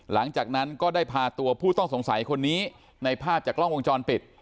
หลังจากนั้นก็ได้พาตัวผู้ต้องสงสัยคนนี้ในภาพจากกล้องวงจรปิด